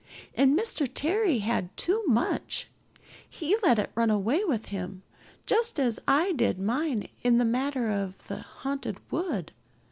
And Mr. Terry had too much; he let it run away with him just as I did mine in the matter of the Haunted Wood.